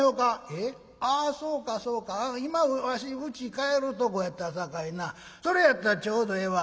「えああそうかそうか今わしうち帰るとこやったさかいなそれやったらちょうどええわ。